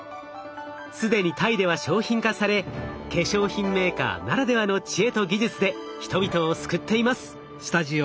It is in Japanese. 既にタイでは商品化され化粧品メーカーならではの知恵と技術で人々を救っています。